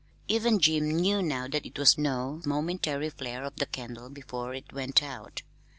Even Jim knew now that it was no momentary flare of the candle before it went out.